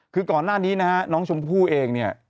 คือก่อนหน้านี้นะฮะน้องชมพู่เองเนี่ย